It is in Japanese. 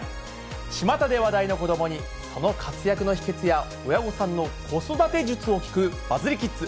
ちまたで話題の子どもに、その活躍の秘けつや、親御さんの子育て術を聞くバズリキッズ。